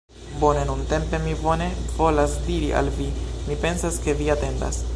Bone, nuntempe mi bone volas diri al vi. Mi pensas ke vi atendas.